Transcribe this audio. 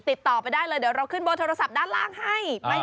ติดต่อไปได้เลยเดี๋ยวเราขึ้นเบอร์โทรศัพท์ด้านล่างให้